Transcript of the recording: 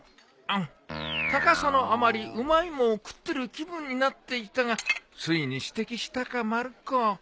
高さのあまりうまいもんを食ってる気分になっていたがついに指摘したかまる子